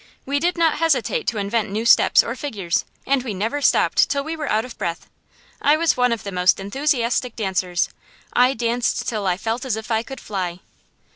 We did not hesitate to invent new steps or figures, and we never stopped till we were out of breath. I was one of the most enthusiastic dancers. I danced till I felt as if I could fly.